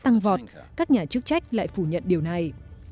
tăng vọt các nhà chức trách lại phủ nhận điều này